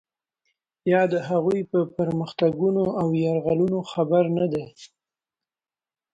یا د هغوی په پرمختګونو او یرغلونو خبر نه دی.